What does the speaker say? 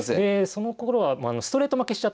そのころはストレート負けしちゃったんですね。